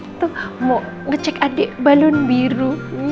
hei tuh mau ngecek adik balon biru